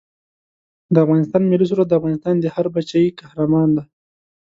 د افغانستان ملي سرود دا افغانستان دی هر بچه یې قهرمان دی